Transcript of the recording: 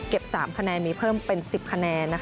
๓คะแนนมีเพิ่มเป็น๑๐คะแนน